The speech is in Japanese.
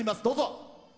どうぞ。